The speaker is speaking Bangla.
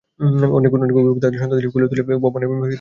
অনেক অভিভাবক তাদের সন্তানদের কোলে তুলে পাশের ভবনের মধ্যে আশ্রয় নেয়।